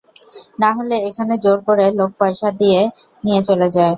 নাহলে এখানে জোর করে লোক পয়সা দিয়ে নিয়ে চলে যায়।